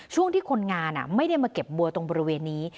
ช่วงที่คนงานไม่ได้มาเก็บบัวตรงบริเวณนี้